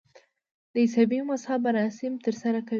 د عیسوي مذهب مراسم ترسره کوي.